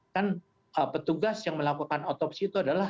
kan petugas yang melakukan otopsi itu adalah